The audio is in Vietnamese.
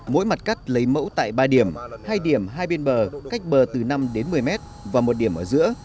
mỗi mặt cắt lấy mẫu tại ba điểm hai điểm hai bên bờ cách bờ từ năm đến một mươi mét và một điểm ở giữa